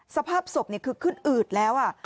สภาพศพคือขึ้นอืดแล้ว